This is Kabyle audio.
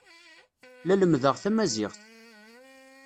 La lemmdeɣ tamaziɣt.